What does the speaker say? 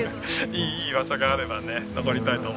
いい場所があればね残りたいと思ってます。